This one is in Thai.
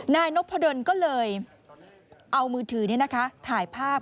นายนพดลก็เลยเอามือถือถ่ายภาพ